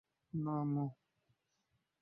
না, আম্মু।